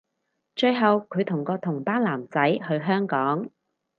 最後距同個同班男仔去香港